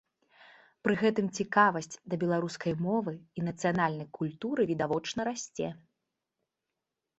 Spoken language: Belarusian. Пры гэтым цікавасць да беларускай мовы і нацыянальнай культуры відавочна расце.